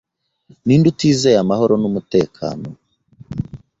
Ninde utizeye amahoro n'umutekano?